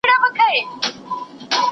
¬ د اوښ غلا په چوغه نه کېږي.